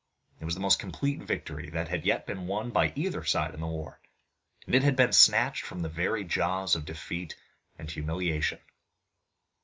It was the most complete victory that had yet been won by either side in the war, and it had been snatched from the very jaws of defeat and humiliation.